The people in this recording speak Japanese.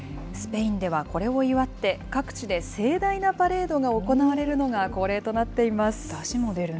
スペインではこれを祝って、各地で盛大なパレードが行われるのが恒例となっています。